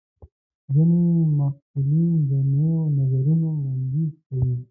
ځینې محصلین د نویو نظرونو وړاندیز کوي.